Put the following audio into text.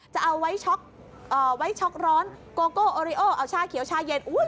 จะเอาไว้ช็อกไว้ช็อกร้อนโกโก้โอริโอเอาชาเขียวชาเย็น